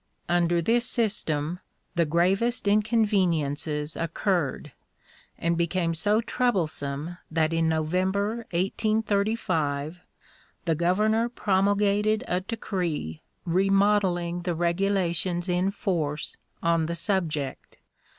Under this system the gravest inconveniences occurred, and became so troublesome that in November, 1835, the governor promulgated a decree remodeling the regulations in force on the subject.